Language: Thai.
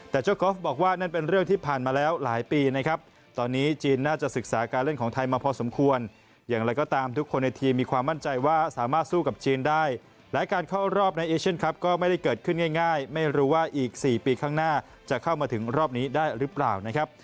แต่เจ้ากอล์ฟบอกว่านั่นเป็นเรื่องที่ผ่านมาแล้วหลายปีนะครับตอนนี้จีนน่าจะศึกษาการเล่นของไทยมาพอสมควรอย่างไรก็ตามทุกคนในทีมมีความมั่นใจว่าสามารถสู้กับจีนได้และการเข้ารอบในเอเชียนครับก็ไม่ได้เกิดขึ้นง่ายไม่รู้ว่าอีก๔ปีข้างหน้าจะเข้ามาถึงรอบนี้ได้หรือเปล่านะครับ